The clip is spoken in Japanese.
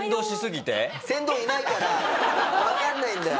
先導いないからわかんないんだよ。